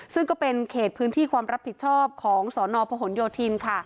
ซึ่งก็เป็นเขตพื้นที่ความรับผิดชอบของสนพหนโยธินค่ะ